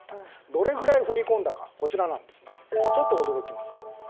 どれぐらい振り込んだかというとちょっと驚きます。